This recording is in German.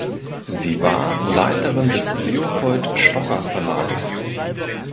Sie war Leiterin des Leopold Stocker Verlages.